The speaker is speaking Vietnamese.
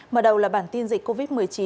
mở đầu là bản tin dịch covid một mươi chín